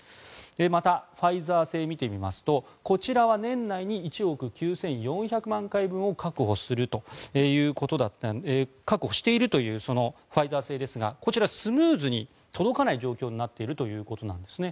また、ファイザー製を見てみますとこちらは年内に１億９４００万回分を確保しているというファイザー製ですがこちら、スムーズに届かない状況になっているということです。